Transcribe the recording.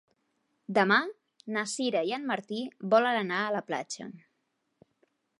Demà na Sira i en Martí volen anar a la platja.